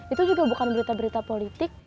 itu juga bukan berita berita politik